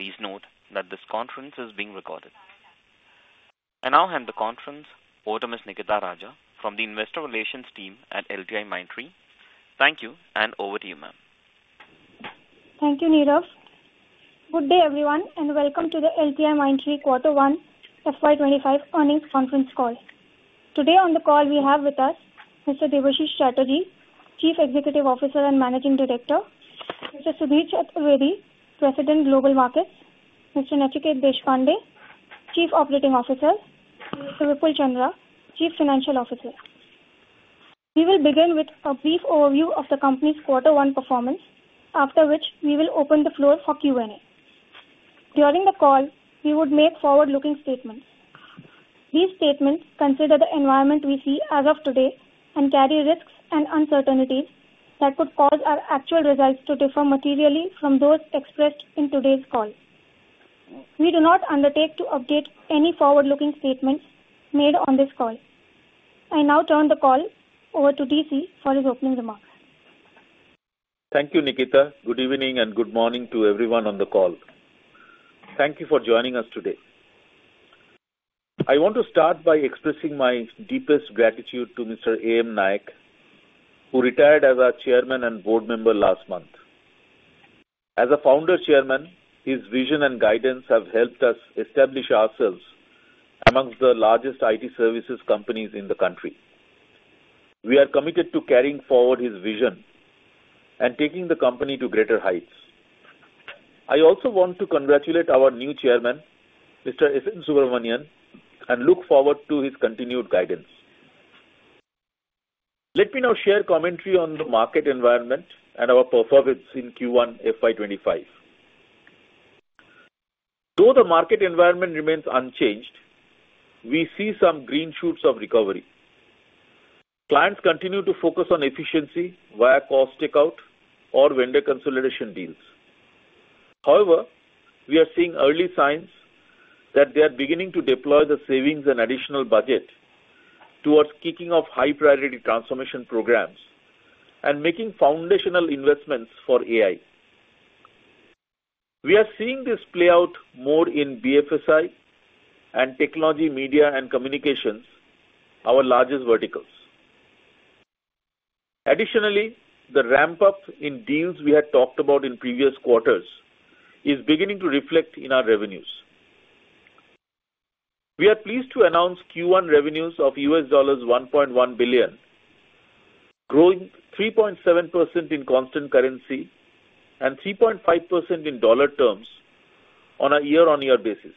Please note that this conference is being recorded. I now hand the conference over to Ms. Nikita Raja from the Investor Relations team at LTIMindtree. Thank you, and over to you, ma'am. Thank you, Nirav. Good day, everyone, and welcome to the LTIMindtree Quarter 1 FY 2025 Earnings Conference Call. Today on the call, we have with us Mr. Debashis Chatterjee, Chief Executive Officer and Managing Director, Mr. Sudhir Chaturvedi, President, Global Markets, Mr. Nachiket Deshpande, Chief Operating Officer, Mr. Vipul Chandra, Chief Financial Officer. We will begin with a brief overview of the company's Quarter 1 performance, after which we will open the floor for Q&A. During the call, we would make forward-looking statements. These statements consider the environment we see as of today and carry risks and uncertainties that could cause our actual results to differ materially from those expressed in today's call. We do not undertake to update any forward-looking statements made on this call. I now turn the call over to DC for his opening remarks. Thank you, Nikita. Good evening, and good morning to everyone on the call. Thank you for joining us today. I want to start by expressing my deepest gratitude to Mr. A.M. Naik, who retired as our Chairman and board member last month. As a Founder Chairman, his vision and guidance have helped us establish ourselves amongst the largest IT services companies in the country. We are committed to carrying forward his vision and taking the company to greater heights. I also want to congratulate our new Chairman, Mr. S.N. Subrahmanyan, and look forward to his continued guidance. Let me now share commentary on the market environment and our performance in Q1 FY 2025. Though the market environment remains unchanged, we see some green shoots of recovery. Clients continue to focus on efficiency via cost takeout or vendor consolidation deals. However, we are seeing early signs that they are beginning to deploy the savings and additional budget towards kicking off high-priority transformation programs and making foundational investments for AI. We are seeing this play out more in BFSI and technology, media, and communications, our largest verticals. Additionally, the ramp-up in deals we had talked about in previous quarters is beginning to reflect in our revenues. We are pleased to announce Q1 revenues of $1.1 billion, growing 3.7% in constant currency and 3.5% in dollar terms on a year-on-year basis.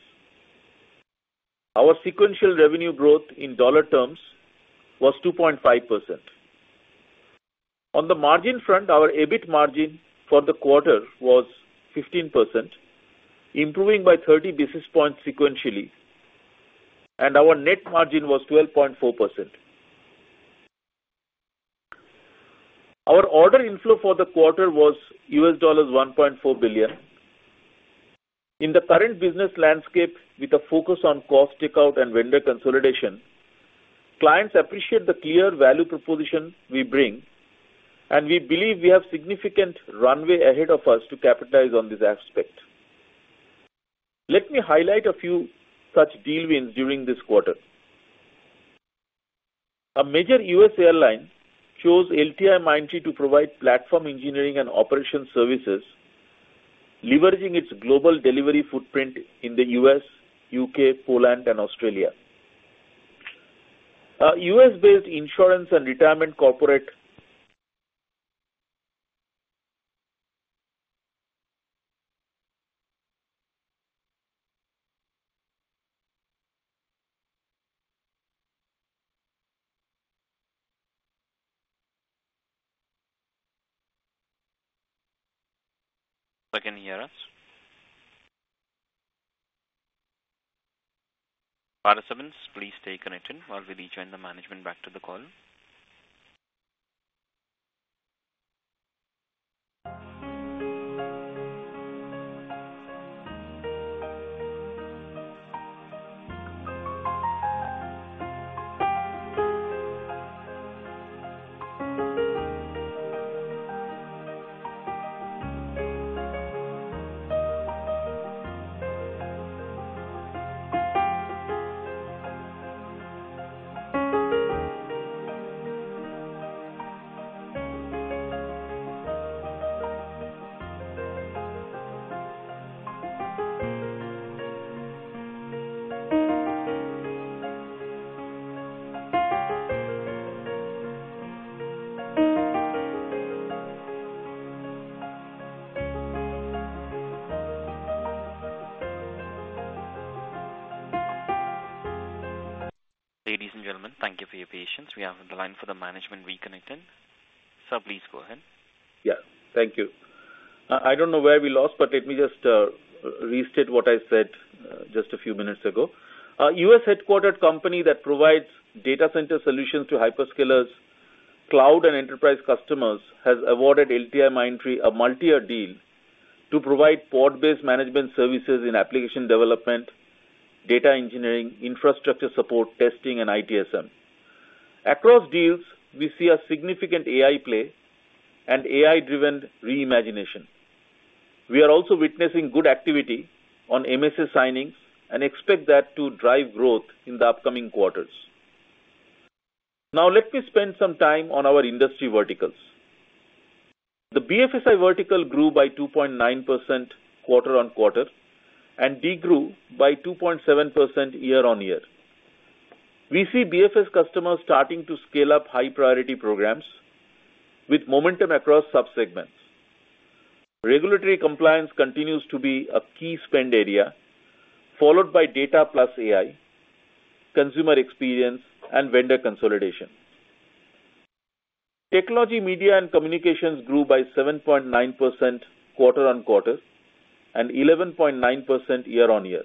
Our sequential revenue growth in dollar terms was 2.5%. On the margin front, our EBIT margin for the quarter was 15%, improving by 30 basis points sequentially, and our net margin was 12.4%. Our order inflow for the quarter was $1.4 billion. In the current business landscape, with a focus on cost takeout and vendor consolidation, clients appreciate the clear value proposition we bring, and we believe we have significant runway ahead of us to capitalize on this aspect. Let me highlight a few such deal wins during this quarter. A major U.S. airline chose LTIMindtree to provide platform engineering and operation services, leveraging its global delivery footprint in the U.S., U.K., Poland, and Australia. A U.S.-based insurance and retirement corporate- Can you hear us? Participants, please stay connected while we rejoin the management back to the call. Ladies and gentlemen, thank you for your patience. We have the line for the management reconnecting. Sir, please go ahead. Yeah. Thank you. I don't know where we lost, but let me just restate what I said just a few minutes ago. A U.S.-headquartered company that provides data center solutions to hyperscalers, cloud, and enterprise customers has awarded LTIMindtree a multi-year deal to provide pod-based management services in application development, data engineering, infrastructure support, testing, and ITSM. Across deals, we see a significant AI play and AI-driven re-imagination. We are also witnessing good activity on MSA signings and expect that to drive growth in the upcoming quarters. Now, let me spend some time on our industry verticals. The BFSI vertical grew by 2.9% quarter-on-quarter and de-grew by 2.7% year-on-year. We see BFS customers starting to scale up high-priority programs with momentum across subsegments. Regulatory compliance continues to be a key spend area, followed by data plus AI, consumer experience, and vendor consolidation. Technology, media, and communications grew by 7.9% quarter-on-quarter and 11.9% year-on-year.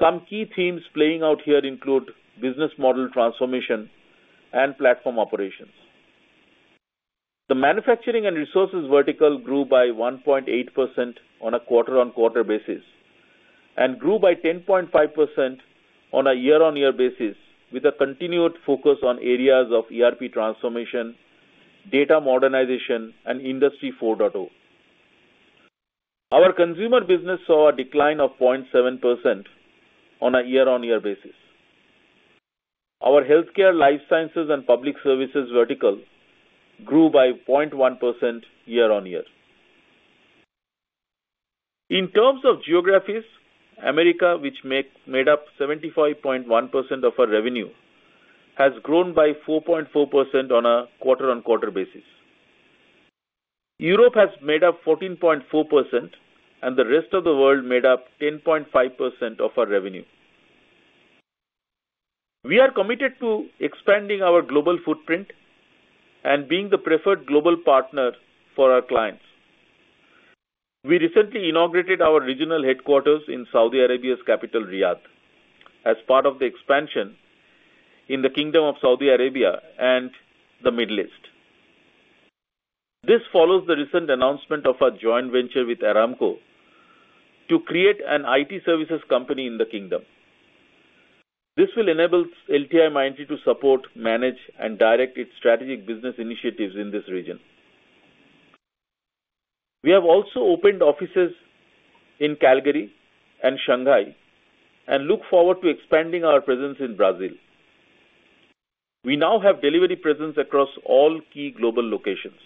Some key themes playing out here include business model transformation and platform operations. The manufacturing and resources vertical grew by 1.8% on a quarter-on-quarter basis, and grew by 10.5% on a year-on-year basis, with a continued focus on areas of ERP transformation, data modernization, and Industry 4.0. Our consumer business saw a decline of 0.7% on a year-on-year basis. Our healthcare, life sciences, and public services vertical grew by 0.1% year-on-year. In terms of geographies, America, which made up 75.1% of our revenue, has grown by 4.4% on a quarter-on-quarter basis. Europe has made up 14.4%, and the rest of the world made up 10.5% of our revenue. We are committed to expanding our global footprint and being the preferred global partner for our clients. We recently inaugurated our regional headquarters in Saudi Arabia's capital, Riyadh, as part of the expansion in the Kingdom of Saudi Arabia and the Middle East. This follows the recent announcement of a joint venture with Aramco to create an IT services company in the kingdom. This will enable LTIMindtree to support, manage, and direct its strategic business initiatives in this region. We have also opened offices in Calgary and Shanghai and look forward to expanding our presence in Brazil. We now have delivery presence across all key global locations.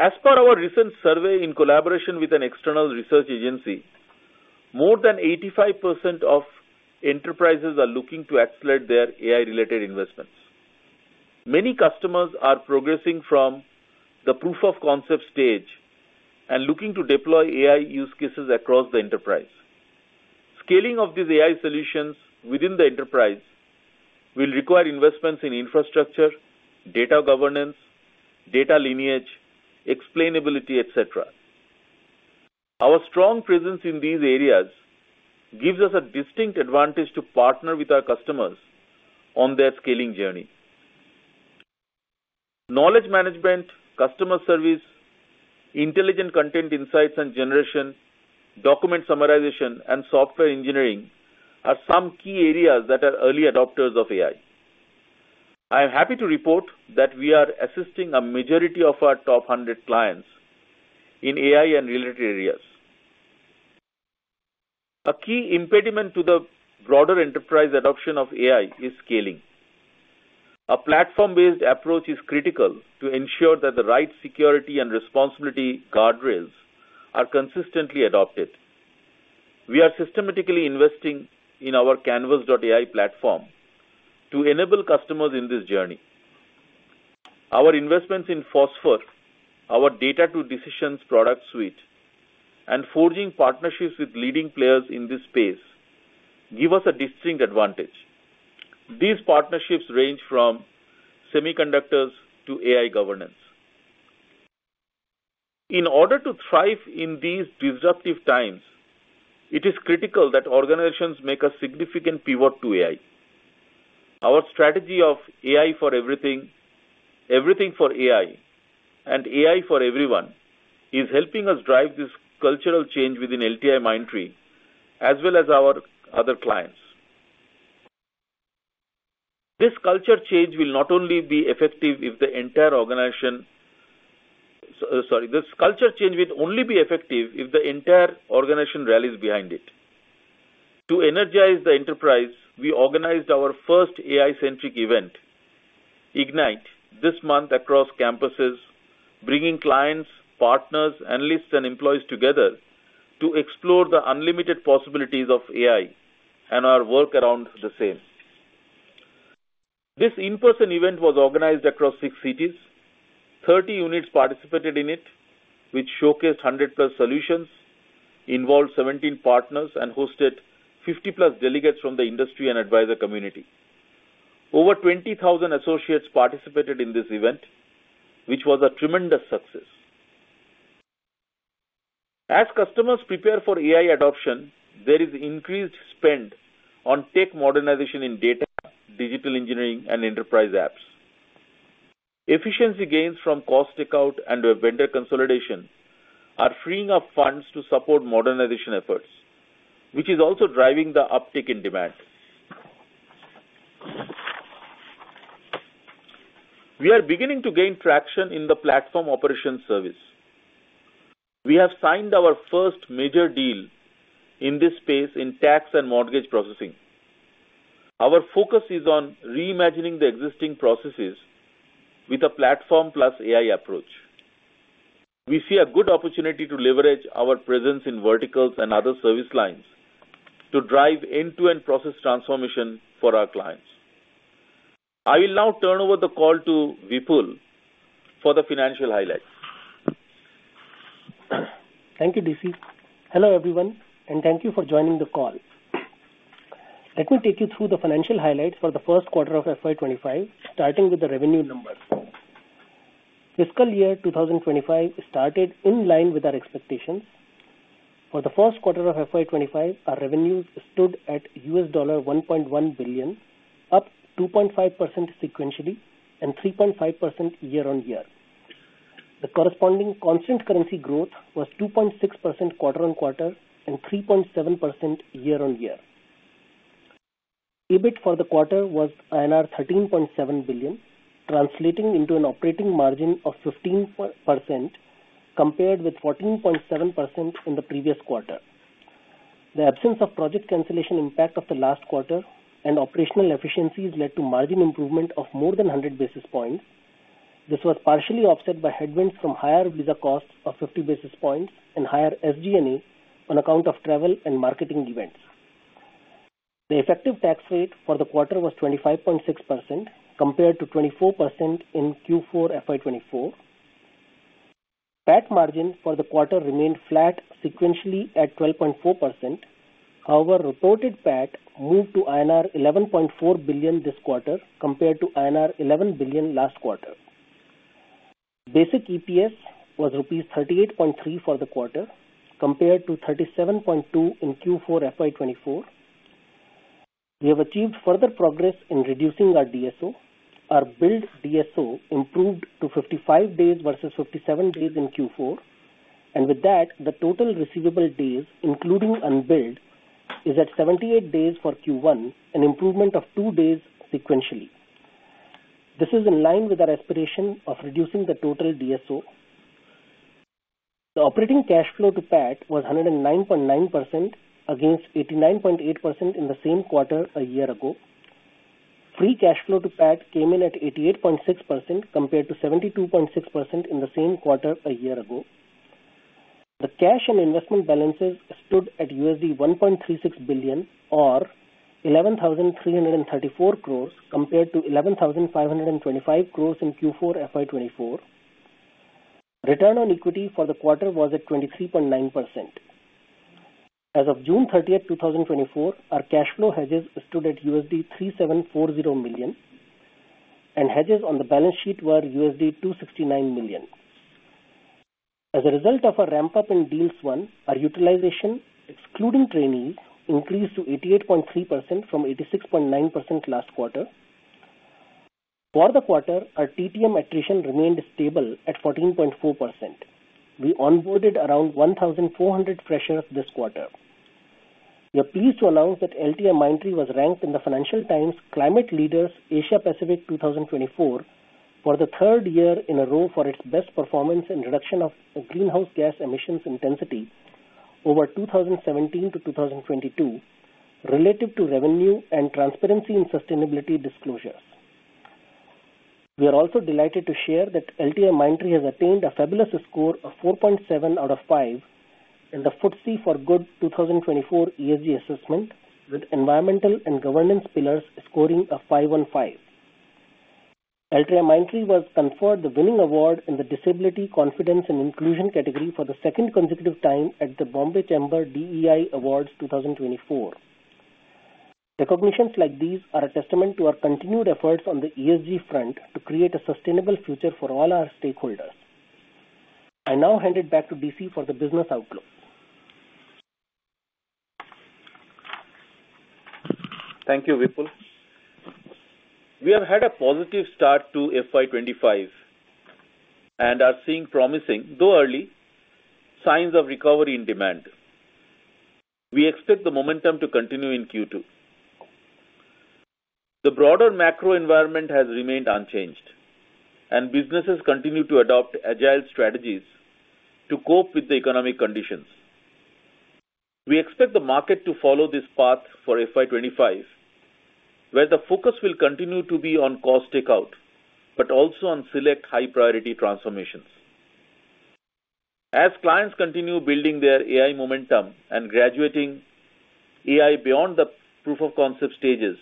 As per our recent survey in collaboration with an external research agency, more than 85% of enterprises are looking to accelerate their AI-related investments. Many customers are progressing from the proof of concept stage and looking to deploy AI use cases across the enterprise. Scaling of these AI solutions within the enterprise will require investments in infrastructure, data governance, data lineage, explainability, et cetera. Our strong presence in these areas gives us a distinct advantage to partner with our customers on their scaling journey. Knowledge management, customer service, intelligent content insights and generation, document summarization, and software engineering are some key areas that are early adopters of AI. I am happy to report that we are assisting a majority of our top 100 clients in AI and related areas. A key impediment to the broader enterprise adoption of AI is scaling. A platform-based approach is critical to ensure that the right security and responsibility guardrails are consistently adopted. We are systematically investing in our Canvas.ai platform to enable customers in this journey. Our investments in Fosfor, our data-to-decisions product suite, and forging partnerships with leading players in this space give us a distinct advantage. These partnerships range from semiconductors to AI governance. In order to thrive in these disruptive times, it is critical that organizations make a significant pivot to AI. Our strategy of AI for everything, everything for AI, and AI for everyone, is helping us drive this cultural change within LTIMindtree, as well as our other clients. This culture change will not only be effective if the entire organization... Sorry. This culture change will only be effective if the entire organization rallies behind it. To energize the enterprise, we organized our first AI-centric event, Ignite, this month across campuses, bringing clients, partners, analysts, and employees together to explore the unlimited possibilities of AI and our work around the same. This in-person event was organized across 6 cities. 30 units participated in it, which showcased 100+ solutions, involved 17 partners, and hosted 50+ delegates from the industry and advisor community. Over 20,000 associates participated in this event, which was a tremendous success. As customers prepare for AI adoption, there is increased spend on tech modernization in data, digital engineering, and enterprise apps. Efficiency gains from cost takeout and vendor consolidation are freeing up funds to support modernization efforts, which is also driving the uptick in demand. We are beginning to gain traction in the platform operations service. We have signed our first major deal in this space in tax and mortgage processing. Our focus is on reimagining the existing processes with a platform plus AI approach. We see a good opportunity to leverage our presence in verticals and other service lines to drive end-to-end process transformation for our clients. I will now turn over the call to Vipul for the financial highlights. Thank you, DC. Hello, everyone, and thank you for joining the call. Let me take you through the financial highlights for the first quarter of FY 2025, starting with the revenue numbers. Fiscal year 2025 started in line with our expectations. For the first quarter of FY 2025, our revenues stood at $1.1 billion, up 2.5% sequentially and 3.5% year-on-year. The corresponding constant currency growth was 2.6% quarter-on-quarter and 3.7% year-on-year. EBIT for the quarter was INR 13.7 billion, translating into an operating margin of 15%, compared with 14.7% in the previous quarter. The absence of project cancellation impact of the last quarter and operational efficiencies led to margin improvement of more than 100 basis points. This was partially offset by headwinds from higher visa costs of 50 basis points and higher SG&A on account of travel and marketing events. The effective tax rate for the quarter was 25.6%, compared to 24% in Q4 FY 2024. PAT margin for the quarter remained flat sequentially at 12.4%. However, reported PAT moved to INR 11.4 billion this quarter, compared to INR 11 billion last quarter. Basic EPS was rupees 38.3 for the quarter, compared to 37.2 in Q4 FY 2024. We have achieved further progress in reducing our DSO. Our billed DSO improved to 55 days versus 57 days in Q4, and with that, the total receivable days, including unbilled, is at 78 days for Q1, an improvement of 2 days sequentially. This is in line with our aspiration of reducing the total DSO. The operating cash flow to PAT was 109.9%, against 89.8% in the same quarter a year ago. Free cash flow to PAT came in at 88.6%, compared to 72.6% in the same quarter a year ago. The cash and investment balances stood at $1.36 billion, or 11,334 crore, compared to 11,525 crore in Q4 FY 2024. Return on equity for the quarter was at 23.9%. As of June 30, 2024, our cash flow hedges stood at $3,740 million, and hedges on the balance sheet were $269 million. As a result of our ramp-up in deals won, our utilization, excluding training, increased to 88.3% from 86.9% last quarter. For the quarter, our TTM attrition remained stable at 14.4%. We onboarded around 1,400 freshers this quarter. We are pleased to announce that LTIMindtree was ranked in the Financial Times Climate Leaders, Asia Pacific 2024 for the third year in a row for its best performance in reduction of greenhouse gas emissions intensity over 2017 to 2022, relative to revenue and transparency and sustainability disclosures. We are also delighted to share that LTIMindtree has attained a fabulous score of 4.7 out of 5 in the FTSE4Good 2024 ESG assessment, with environmental and governance pillars scoring a 5 on 5. LTIMindtree was conferred the winning award in the Disability Confidence and Inclusion category for the second consecutive time at the Bombay Chamber DEI Awards 2024. Recognitions like these are a testament to our continued efforts on the ESG front to create a sustainable future for all our stakeholders. I now hand it back to DC for the business outlook. Thank you, Vipul. We have had a positive start to FY 2025 and are seeing promising, though early, signs of recovery in demand. We expect the momentum to continue in Q2. The broader macro environment has remained unchanged, and businesses continue to adopt agile strategies to cope with the economic conditions. We expect the market to follow this path for FY 2025, where the focus will continue to be on cost takeout, but also on select high-priority transformations. As clients continue building their AI momentum and graduating AI beyond the proof of concept stages,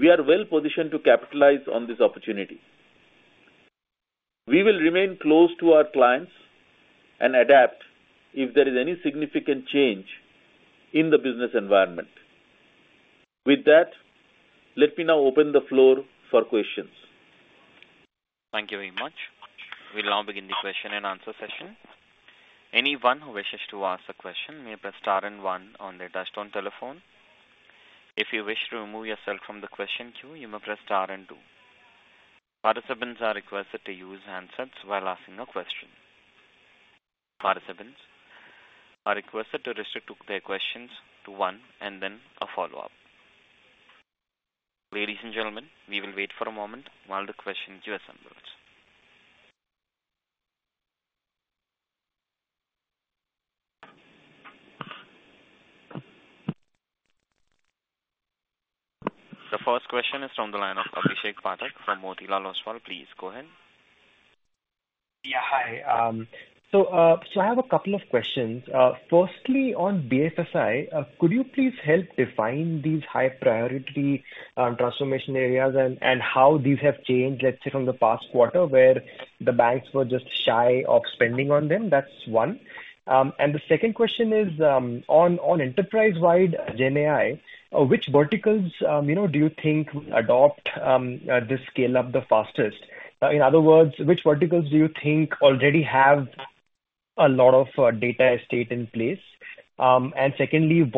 we are well positioned to capitalize on this opportunity. We will remain close to our clients and adapt if there is any significant change in the business environment. With that, let me now open the floor for questions. Thank you very much. We'll now begin the question and answer session. Anyone who wishes to ask a question may press star and one on their touchtone telephone... If you wish to remove yourself from the question queue, you may press star and two. Participants are requested to use handsets while asking a question. Participants are requested to restrict their questions to one and then a follow-up. Ladies and gentlemen, we will wait for a moment while the question queue assembles. The first question is from the line of Abhishek Pathak from Motilal Oswal. Please go ahead. Yeah, hi. So, I have a couple of questions. Firstly, on BFSI, could you please help define these high priority transformation areas and how these have changed, let's say, from the past quarter, where the banks were just shy of spending on them? That's one. And the second question is, on enterprise-wide GenAI, which verticals, you know, do you think will adopt this scale up the fastest? In other words, which verticals do you think already have a lot of data estate in place? And secondly,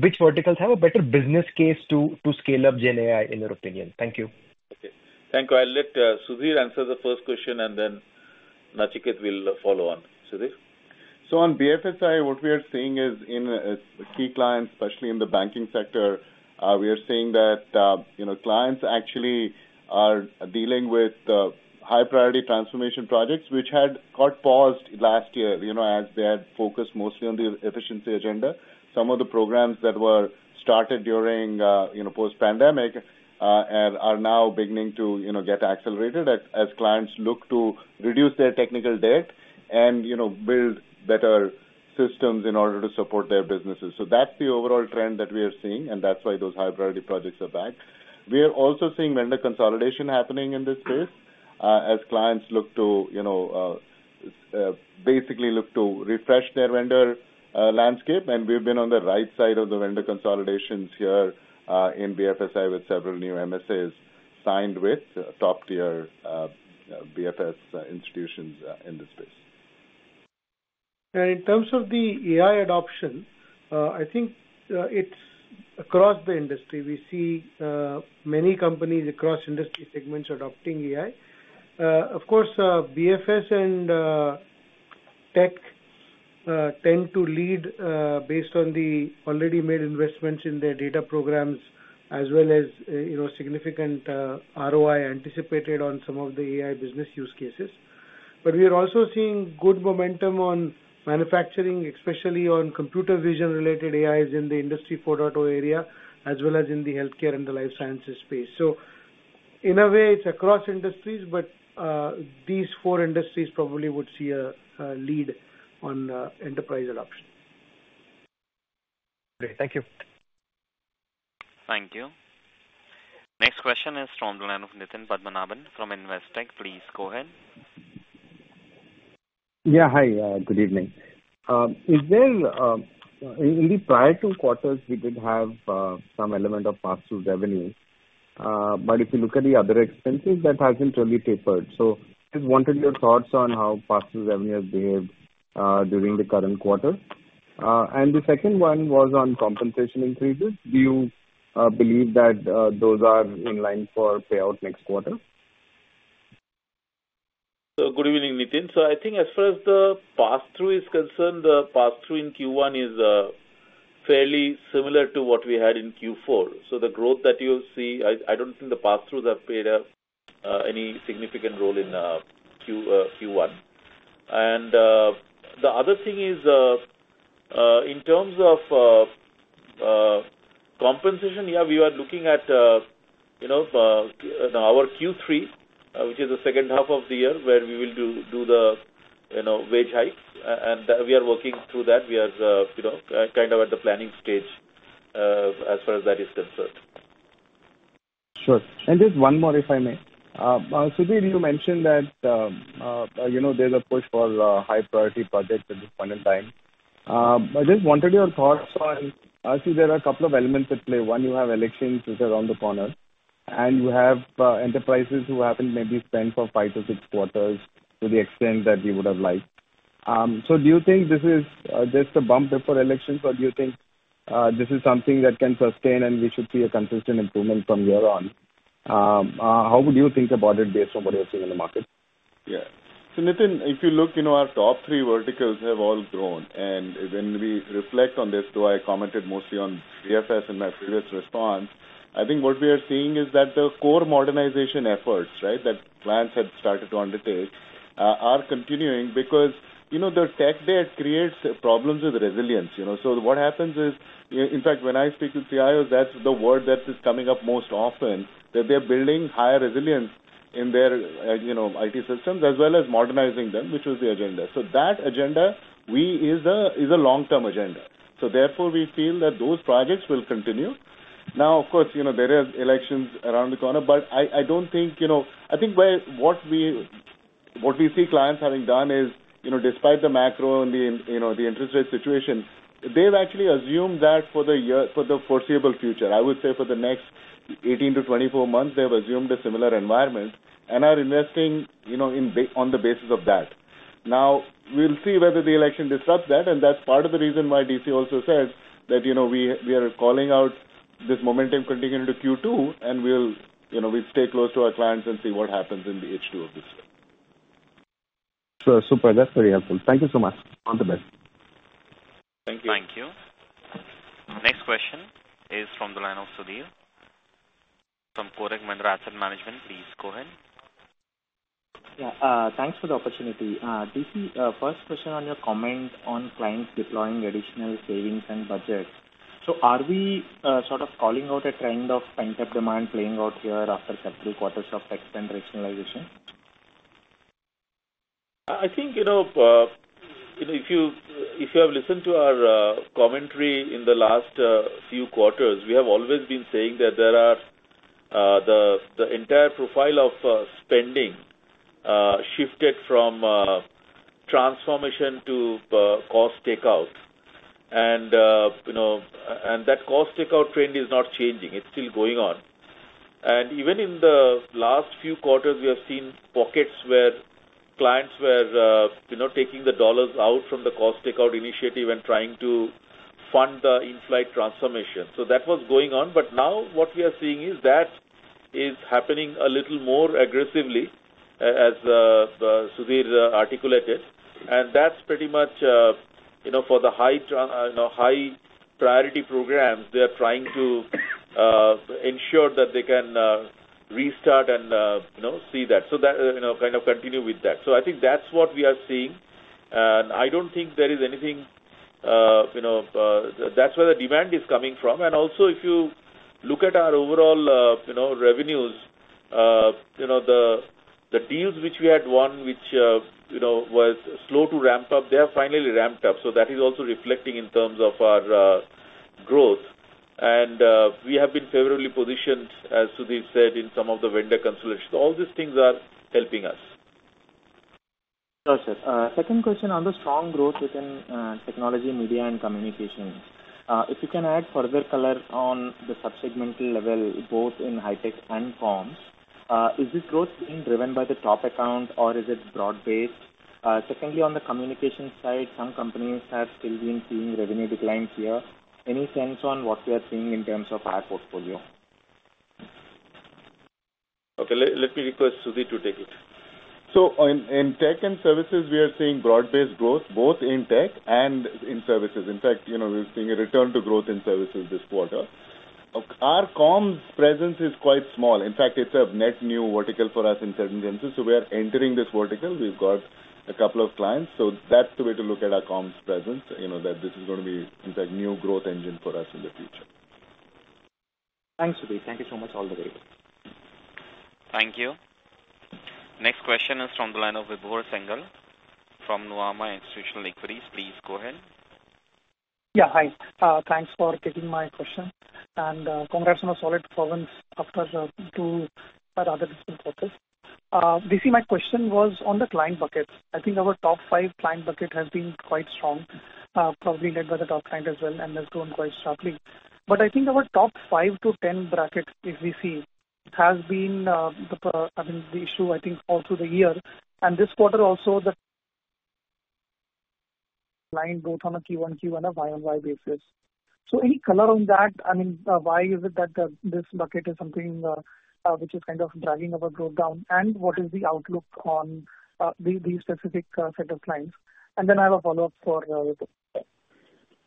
which verticals have a better business case to scale up GenAI, in your opinion? Thank you. Okay, thank you. I'll let Sudhir answer the first question, and then Nachiket will follow on. Sudhir? So on BFSI, what we are seeing is in key clients, especially in the banking sector, we are seeing that, you know, clients actually are dealing with high priority transformation projects, which had got paused last year, you know, as they had focused mostly on the efficiency agenda. Some of the programs that were started during, you know, post-pandemic, and are now beginning to, you know, get accelerated as clients look to reduce their technical debt and, you know, build better systems in order to support their businesses. So that's the overall trend that we are seeing, and that's why those high priority projects are back. We are also seeing vendor consolidation happening in this space, as clients look to, you know, basically look to refresh their vendor landscape. We've been on the right side of the vendor consolidations here, in BFSI, with several new MSAs signed with top-tier BFS institutions, in the space. In terms of the AI adoption, I think, it's across the industry. We see many companies across industry segments adopting AI. Of course, BFS and tech tend to lead, based on the already made investments in their data programs, as well as, you know, significant ROI anticipated on some of the AI business use cases. But we are also seeing good momentum on manufacturing, especially on computer vision-related AIs in the Industry 4.0 area, as well as in the healthcare and the life sciences space. So in a way, it's across industries, but these four industries probably would see a lead on enterprise adoption. Great. Thank you. Thank you. Next question is from the line of Nitin Padmanabhan from Investec. Please go ahead. Yeah, hi, good evening. Is there, in the prior two quarters, we did have some element of pass-through revenue, but if you look at the other expenses, that hasn't really tapered. So just wanted your thoughts on how pass-through revenue has behaved during the current quarter. And the second one was on compensation increases. Do you believe that those are in line for payout next quarter? Good evening, Nitin. I think as far as the pass-through is concerned, the pass-through in Q1 is fairly similar to what we had in Q4. The growth that you'll see, I don't think the pass-throughs have played any significant role in Q1. The other thing is in terms of compensation, yeah, we are looking at you know our Q3 which is the second half of the year, where we will do the you know wage hike and we are working through that. We are you know kind of at the planning stage as far as that is concerned. Sure. Just one more, if I may. Sudhir, you mentioned that you know, there's a push for high priority projects at this point in time. I just wanted your thoughts on... I see there are a couple of elements at play. One, you have elections which are around the corner, and you have enterprises who haven't maybe spent for 5-6 quarters to the extent that we would have liked. So do you think this is just a bump before elections, or do you think this is something that can sustain and we should see a consistent improvement from here on? How would you think about it based on what you're seeing in the market? Yeah. So Nitin, if you look, you know, our top three verticals have all grown. And when we reflect on this, though, I commented mostly on BFS in my previous response, I think what we are seeing is that the core modernization efforts, right, that clients had started to undertake, are continuing because, you know, the tech debt creates problems with resilience, you know? So what happens is, in fact, when I speak with CIOs, that's the word that is coming up most often, that they're building higher resilience in their, you know, IT systems, as well as modernizing them, which was the agenda. So that agenda is a long-term agenda. So therefore, we feel that those projects will continue. Now, of course, you know, there is elections around the corner, but I don't think, you know. I think what we see clients having done is, you know, despite the macro and, you know, the interest rate situation, they've actually assumed that for the year, for the foreseeable future, I would say for the next 18-24 months, they've assumed a similar environment and are investing, you know, on the basis of that... Now, we'll see whether the election disrupts that, and that's part of the reason why DC also says that, you know, we are calling out this momentum continuing into Q2, and we'll, you know, we'll stay close to our clients and see what happens in the H2 of this year. Sure. Super, that's very helpful. Thank you so much. All the best. Thank you. Thank you. Next question is from the line of Sudheer from Kotak Mahindra Asset Management. Please go ahead. Yeah, thanks for the opportunity. DC, first question on your comment on clients deploying additional savings and budgets. So are we, sort of calling out a trend of pent-up demand playing out here after several quarters of cost and rationalization? I think, you know, if you have listened to our commentary in the last few quarters, we have always been saying that there are the entire profile of spending shifted from transformation to cost takeout. You know, and that cost takeout trend is not changing. It's still going on. And even in the last few quarters, we have seen pockets where clients were, you know, taking the dollars out from the cost takeout initiative and trying to fund the in-flight transformation. So that was going on, but now what we are seeing is that is happening a little more aggressively, as Sudhir articulated. That's pretty much, you know, for the high priority programs, they are trying to ensure that they can restart and, you know, see that. So that, you know, kind of continue with that. So I think that's what we are seeing, and I don't think there is anything, you know. That's where the demand is coming from. And also, if you look at our overall, you know, revenues, you know, the, the deals which we had won, which, you know, was slow to ramp up, they have finally ramped up. So that is also reflecting in terms of our, growth. And, we have been favorably positioned, as Sudhir said, in some of the vendor consolidation. So all these things are helping us. Got it. Second question on the strong growth within technology, media, and communication. If you can add further color on the sub-segmental level, both in high tech and comms, is this growth being driven by the top account, or is it broad-based? Secondly, on the communication side, some companies have still been seeing revenue declines here. Any sense on what we are seeing in terms of our portfolio? Okay, let me request Sudheer to take it. So in tech and services, we are seeing broad-based growth, both in tech and in services. In fact, you know, we're seeing a return to growth in services this quarter. Our comms presence is quite small. In fact, it's a net new vertical for us in certain senses, so we are entering this vertical. We've got a couple of clients, so that's the way to look at our comms presence, you know, that this is going to be, in fact, new growth engine for us in the future. Thanks, Sudhir. Thank you so much. All the best. Thank you. Next question is from the line of Vibhor Singhal from Nuvama Institutional Equities. Please go ahead. Yeah, hi. Thanks for taking my question, and congrats on a solid performance after the, through a rather difficult quarter. DC, my question was on the client buckets. I think our top five client bucket has been quite strong, probably led by the top client as well, and has grown quite sharply. But I think our top five to ten brackets, if we see, has been the, I mean, the issue, I think, all through the year and this quarter also, the line growth on a Q1, Q1 and a y-on-y basis. So any color on that? I mean, why is it that this bucket is something which is kind of dragging our growth down? And what is the outlook on the these specific set of clients? And then I have a follow-up for Vipul.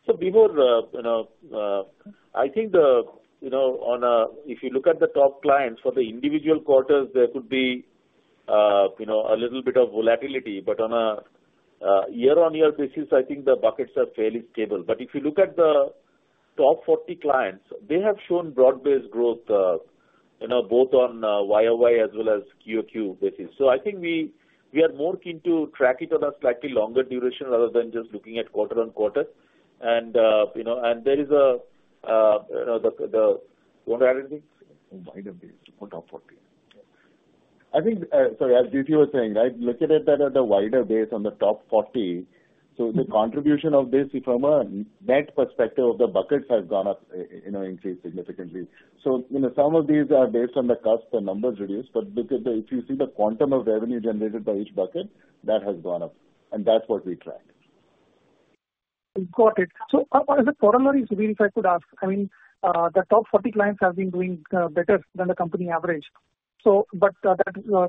So Vibhor, you know, I think the, you know, on a— If you look at the top clients for the individual quarters, there could be, you know, a little bit of volatility, but on a year-on-year basis, I think the buckets are fairly stable. But if you look at the top 40 clients, they have shown broad-based growth, you know, both on y-o-y as well as q-o-q basis. So I think we are more keen to track it on a slightly longer duration rather than just looking at quarter-on-quarter. And, you know, and there is a, you know, the, the... What did I think? Wider base for top 40. I think, sorry, as DC was saying, right, look at it at a wider base on the top 40. So the contribution of this from a net perspective of the buckets has gone up, you know, increased significantly. So, you know, some of these are based on the cusp, the numbers reduced. But look at the. If you see the quantum of revenue generated by each bucket, that has gone up, and that's what we track. Got it. So, as a follow-up, Sudhir, if I could ask. I mean, the top 40 clients have been doing better than the company average. So, but, that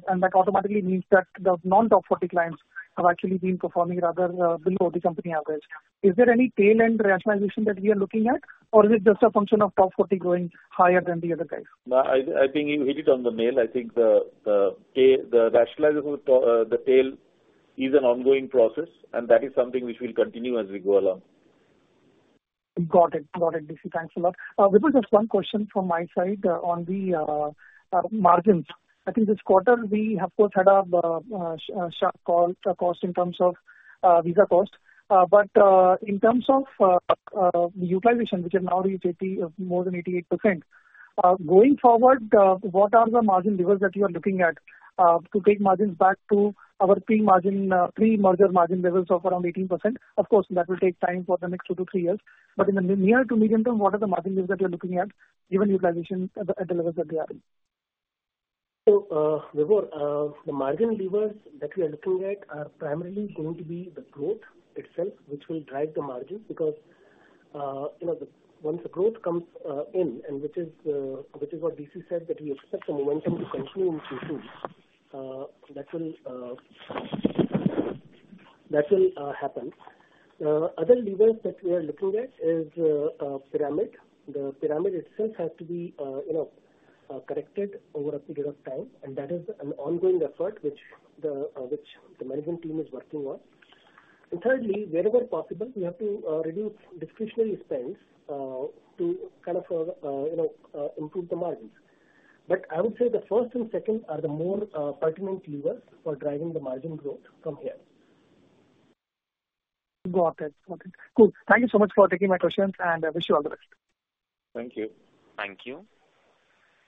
and that automatically means that the non-top 40 clients have actually been performing rather below the company average. Is there any tail-end rationalization that we are looking at, or is it just a function of top 40 growing higher than the other guys? I think you hit it on the nail. I think the rationalization with the tail is an ongoing process, and that is something which will continue as we go along. Got it. Got it, DC. Thanks a lot. Vipul, just one question from my side, on the margins. I think this quarter we of course had a sharp cost in terms of visa costs. But in terms of utilization, which is now more than 88%, going forward, what are the margin levels that you are looking at to take margins back to our pre-margin, pre-merger margin levels of around 18%? Of course, that will take time for the next two to three years, but in the near to medium term, what are the margin levels that you're looking at, given utilization at the levels that they are in? ... So, the margin levers that we are looking at are primarily going to be the growth itself, which will drive the margin. Because, you know, once the growth comes in, and which is what DC said, that we expect the momentum to continue in Q2, that will happen. Other levers that we are looking at is pyramid. The pyramid itself has to be, you know, corrected over a period of time, and that is an ongoing effort which the management team is working on. And thirdly, wherever possible, we have to reduce discretionary spends to kind of, you know, improve the margins. I would say the first and second are the more pertinent levers for driving the margin growth from here. Go ahead. Okay, cool. Thank you so much for taking my questions, and I wish you all the best. Thank you. Thank you.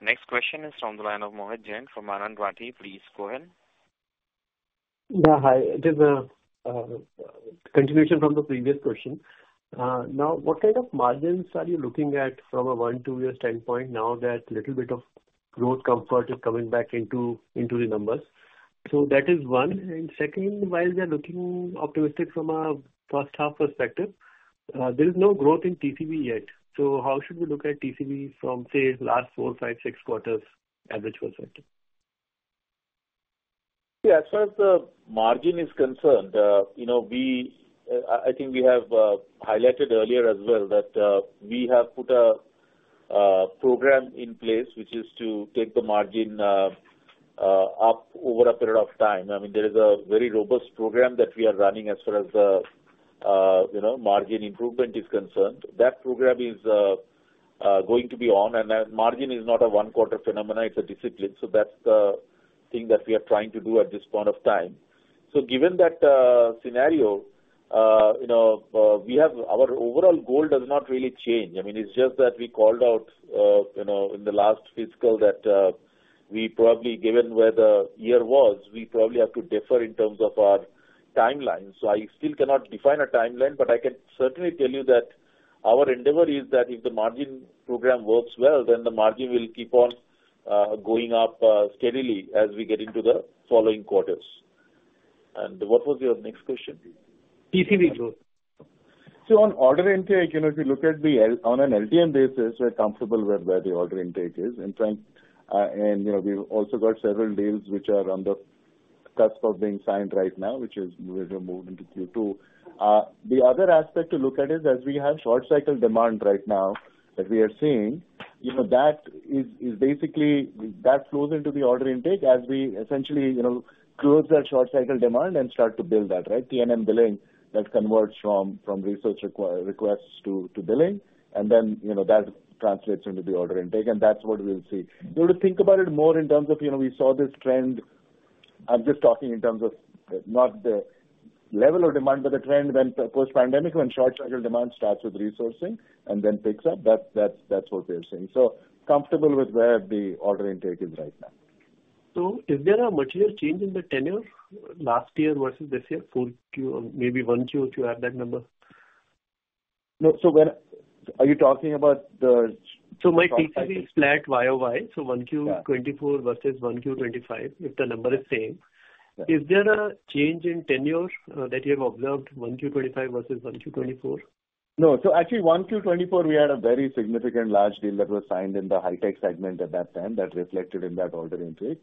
Next question is from the line of Mohit Jain from Anand Rathi. Please go ahead. Yeah, hi. It is continuation from the previous question. Now, what kind of margins are you looking at from a 1-2 year standpoint now that little bit of growth comfort is coming back into, into the numbers? So that is one. And second, while we are looking optimistic from a first half perspective, there is no growth in TCV yet. So how should we look at TCV from, say, last 4, 5, 6 quarters as it was working? Yeah, as far as the margin is concerned, you know, we, I, I think we have highlighted earlier as well that, we have put a program in place, which is to take the margin up over a period of time. I mean, there is a very robust program that we are running as far as the, you know, margin improvement is concerned. That program is going to be on, and then margin is not a one-quarter phenomena, it's a discipline. So that's the thing that we are trying to do at this point of time. So given that scenario, you know, we have our overall goal does not really change. I mean, it's just that we called out, you know, in the last fiscal that, we probably, given where the year was, we probably have to differ in terms of our timeline. So I still cannot define a timeline, but I can certainly tell you that our endeavor is that if the margin program works well, then the margin will keep on, going up, steadily as we get into the following quarters. And what was your next question? TCV growth. So on order intake, you know, if you look at the LTM basis, we're comfortable with where the order intake is. In fact, you know, we've also got several deals which are on the cusp of being signed right now, which will move into Q2. The other aspect to look at is as we have short cycle demand right now, that we are seeing, you know, that is basically that flows into the order intake as we essentially, you know, close that short cycle demand and start to build that, right? T&M billing, that converts from resource requests to billing, and then, you know, that translates into the order intake, and that's what we'll see. So, to think about it more in terms of, you know, we saw this trend. I'm just talking in terms of not the level of demand, but the trend, when, of course, pandemic, when short cycle demand starts with resourcing and then picks up. That's, that's, that's what we are seeing. So, comfortable with where the order intake is right now. Is there a material change in the tenure last year versus this year, full Q, or maybe one Q, if you have that number? No. So when are you talking about the- So my TCV is flat y-o-y, so one Q- Yeah... 2024 versus 1Q 2025, if the number is same. Yeah. Is there a change in tenure that you have observed, 1Q 2025 versus 1Q 2024? No. So actually, 1Q 2024, we had a very significant large deal that was signed in the high-tech segment at that time, that reflected in that order intake.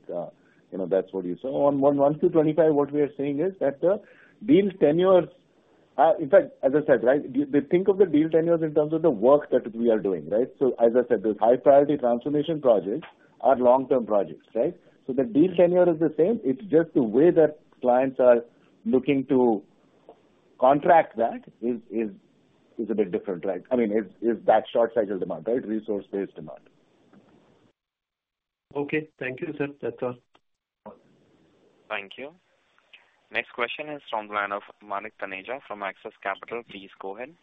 You know, that's what you saw. On 1Q 2025, what we are seeing is that the deals tenures, in fact, as I said, right, we, we think of the deal tenures in terms of the work that we are doing, right? So as I said, the high priority transformation projects are long-term projects, right? So the deal tenure is the same. It's just the way that clients are looking to contract that is, is, is a bit different, right? I mean, is, is that short cycle demand, right? Resource-based demand. Okay. Thank you, sir. That's all. Thank you. Next question is from the line of Manik Taneja from Axis Capital. Please go ahead.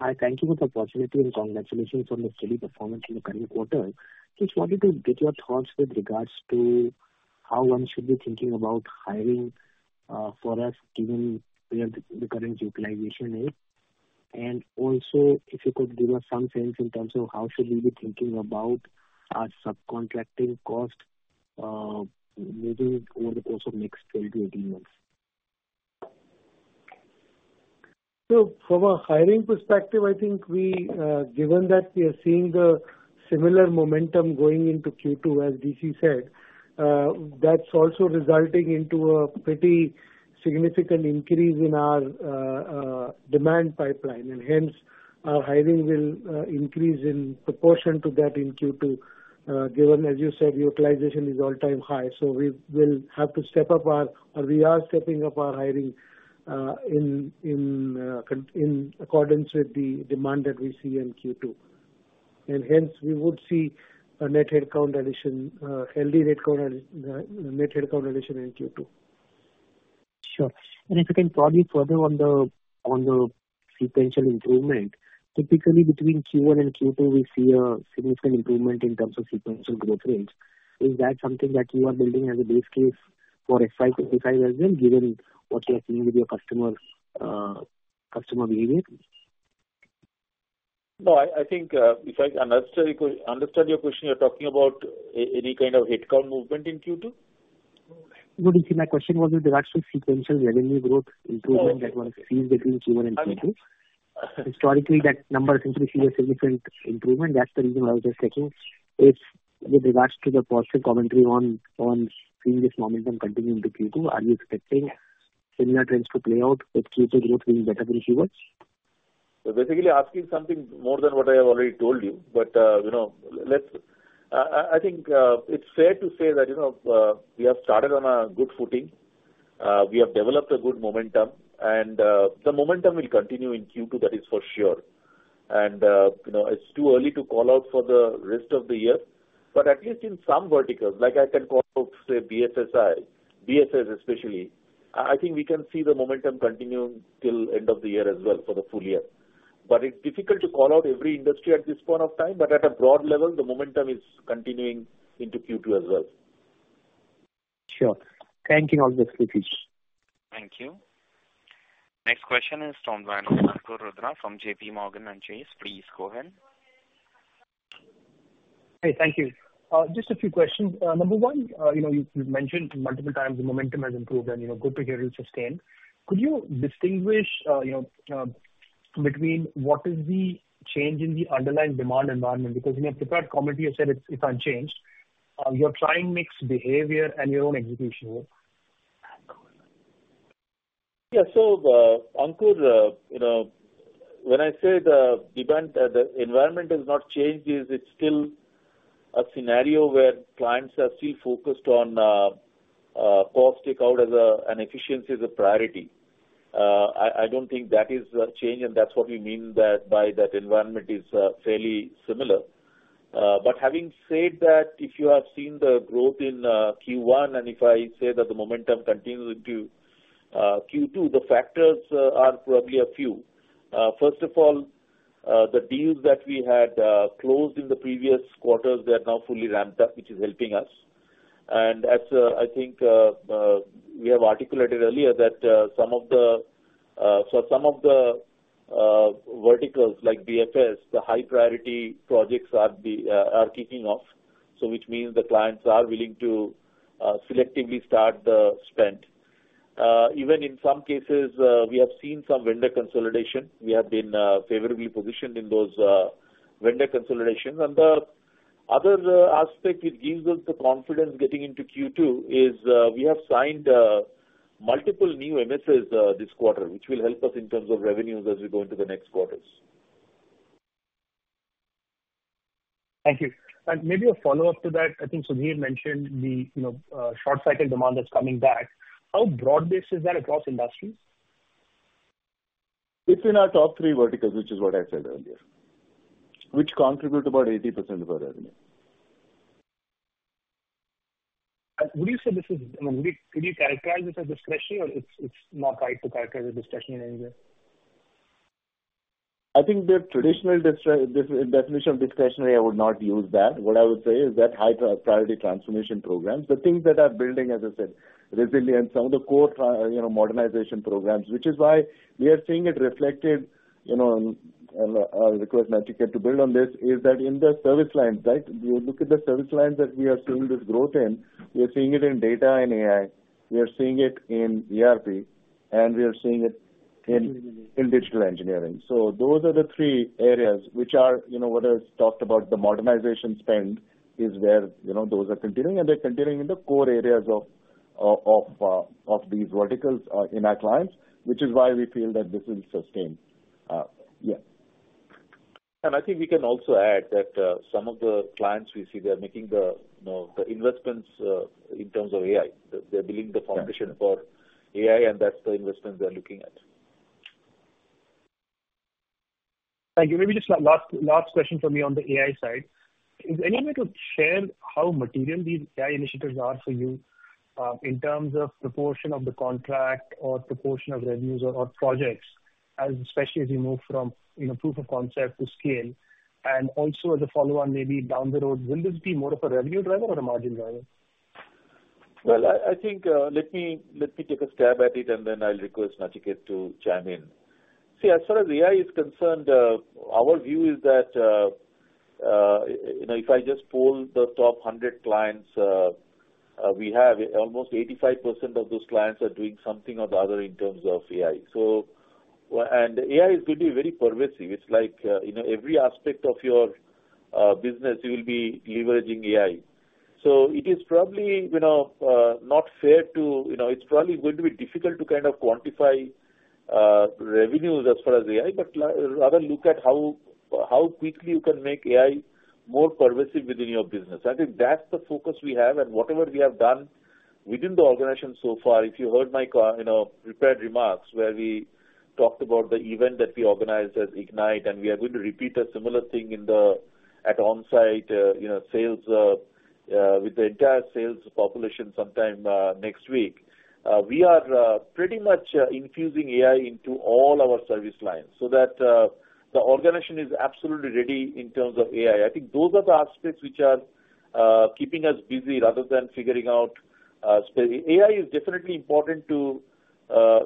Hi, thank you for the possibility and congratulations on the steady performance in the current quarter. Just wanted to get your thoughts with regards to how one should be thinking about hiring, for us, given where the current utilization is. Also, if you could give us some sense in terms of how should we be thinking about our subcontracting cost, maybe over the course of next 12-18 months? So from a hiring perspective, I think we, given that we are seeing the similar momentum going into Q2, as DC said, that's also resulting into a pretty significant increase in our demand pipeline, and hence our hiring will increase in proportion to that in Q2. Given, as you said, utilization is all-time high, so we will have to step up our... We are stepping up our hiring in accordance with the demand that we see in Q2. And hence, we would see a net headcount addition, healthy headcount and net headcount addition in Q2. Sure. And if you can probably further on the sequential improvement, typically between Q1 and Q2, we see a significant improvement in terms of sequential growth rates. Is that something that you are building as a base case for FY 2025 as well, given what you are seeing with your customers, customer behavior? ...No, I think, if I understand your question, you're talking about any kind of headcount movement in Q2? No, you see, my question was with regards to sequential revenue growth improvement that one sees between Q1 and Q2. Historically, that number seems to see a significant improvement. That's the reason why I was just checking. If with regards to the positive commentary on seeing this momentum continuing to Q2, are you expecting similar trends to play out with Q2 growth being better than Q1? You're basically asking something more than what I have already told you. But, you know, let's... I think, it's fair to say that, you know, we have started on a good footing. We have developed a good momentum, and, the momentum will continue in Q2, that is for sure. And, you know, it's too early to call out for the rest of the year. But at least in some verticals, like I can call out, say, BFSI, especially, I think we can see the momentum continuing till end of the year as well for the full year. But it's difficult to call out every industry at this point of time, but at a broad level, the momentum is continuing into Q2 as well. Sure. Thank you, and obviously appreciate. Thank you. Next question is from Ankur Rudra from J.P. Morgan Chase. Please go ahead. Hey, thank you. Just a few questions. Number one, you know, you've mentioned multiple times the momentum has improved and, you know, good behavior is sustained. Could you distinguish, you know, between what is the change in the underlying demand environment? Because in your prepared commentary, you said it's unchanged. Your client mix behavior and your own execution. Yeah. So, Ankur, you know, when I say the demand, the environment has not changed, it's still a scenario where clients are still focused on cost takeout as an efficiency is a priority. I don't think that is a change, and that's what we mean by that environment is fairly similar. But having said that, if you have seen the growth in Q1, and if I say that the momentum continues into Q2, the factors are probably a few. First of all, the deals that we had closed in the previous quarters, they are now fully ramped up, which is helping us. And as I think we have articulated earlier that some of the... So some of the verticals like BFS, the high priority projects are kicking off. So which means the clients are willing to selectively start the spend. Even in some cases, we have seen some vendor consolidation. We have been favorably positioned in those vendor consolidation. And the other aspect, it gives us the confidence getting into Q2 is, we have signed multiple new MSAs this quarter, which will help us in terms of revenues as we go into the next quarters. Thank you. Maybe a follow-up to that, I think Sudhir mentioned the, you know, short cycle demand that's coming back. How broad-based is that across industries? It's in our top three verticals, which is what I said earlier, which contribute about 80% of our revenue. Would you say this is, I mean, would you, could you characterize it as discretionary, or it's, it's not right to characterize it discretionary in any way? I think the traditional definition of discretionary, I would not use that. What I would say is that high priority transformation programs, the things that are building, as I said, resilience. Some of the core, you know, modernization programs, which is why we are seeing it reflected, you know, and, I'll request Nachiket to build on this, is that in the service lines, right? You look at the service lines that we are seeing this growth in. We are seeing it in data and AI, we are seeing it in ERP, and we are seeing it in digital engineering. So those are the three areas which are, you know, what I talked about, the modernization spend is where, you know, those are continuing, and they're continuing in the core areas of these verticals in our clients, which is why we feel that this will sustain. Yeah. I think we can also add that some of the clients we see, they are making the, you know, the investments in terms of AI. They're building the foundation for AI, and that's the investment they're looking at. Thank you. Maybe just a last, last question for me on the AI side. Is there any way to share how material these AI initiatives are for you, in terms of proportion of the contract or proportion of revenues or, or projects, as especially as you move from, you know, proof of concept to scale? And also as a follow-on, maybe down the road, will this be more of a revenue driver or a margin driver? Well, I think, let me take a stab at it, and then I'll request Nachiket to chime in. See, as far as AI is concerned, our view is that, you know, if I just poll the top 100 clients, we have, almost 85% of those clients are doing something or the other in terms of AI. So and AI is going to be very pervasive. It's like, you know, every aspect of your business, you will be leveraging AI. So it is probably, you know, not fair to... You know, it's probably going to be difficult to kind of quantify revenues as far as AI, but rather look at how, how quickly you can make AI more pervasive within your business. I think that's the focus we have, and whatever we have done within the organization so far, if you heard my co, you know, prepared remarks, where we talked about the event that we organized as Ignite, and we are going to repeat a similar thing in the at on-site, you know, sales with the entire sales population sometime next week. We are pretty much infusing AI into all our service lines so that the organization is absolutely ready in terms of AI. I think those are the aspects which are keeping us busy rather than figuring out-... So AI is definitely important to,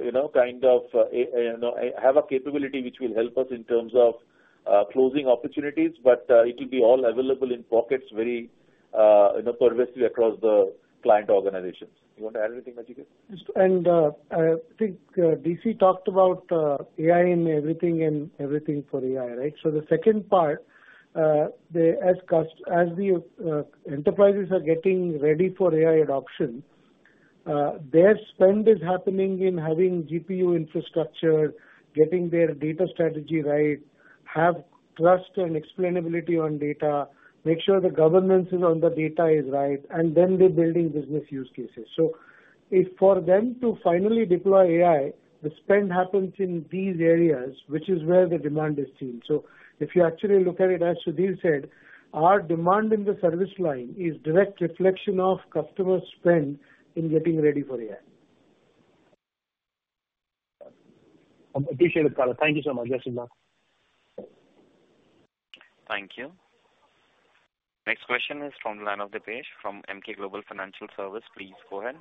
you know, kind of, you know, have a capability which will help us in terms of closing opportunities, but it will be all available in pockets very, you know, pervasively across the client organizations. You want to add anything, Nachiket? And, I think, DC talked about AI in everything and everything for AI, right? So the second part, as the enterprises are getting ready for AI adoption, their spend is happening in having GPU infrastructure, getting their data strategy right, have trust and explainability on data, make sure the governance is on the data is right, and then they're building business use cases. So if for them to finally deploy AI, the spend happens in these areas, which is where the demand is seen. So if you actually look at it, as Sudhir said, our demand in the service line is direct reflection of customer spend in getting ready for AI. I appreciate it, Nachiket. Thank you so much. Thank you. Next question is from the line of Dipesh from Emkay Global Financial Services. Please go ahead.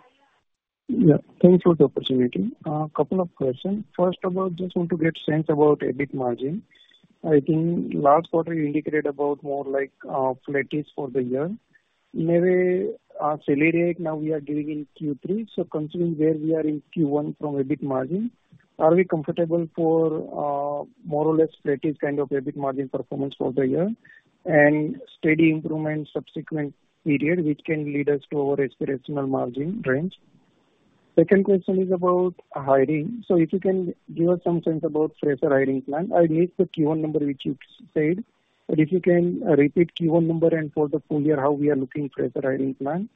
Yeah. Thank you for the opportunity. Couple of questions. First of all, just want to get sense about EBIT margin. I think last quarter you indicated about more like, flattish for the year. Maybe our salary rate, now we are doing in Q3, so considering where we are in Q1 from EBIT margin, are we comfortable for, more or less flattish kind of EBIT margin performance for the year and steady improvement in subsequent period, which can lead us to our aspirational margin range? Second question is about hiring. So if you can give us some sense about fresher hiring plan. I missed the Q1 number, which you said, but if you can repeat Q1 number and for the full year, how we are looking fresher hiring plan.